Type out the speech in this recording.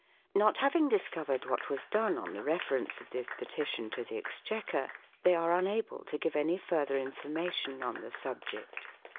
Not having discovered what was done on the Reference of this Petition to the Exchequer, they are unable to give any further Information on the Subject.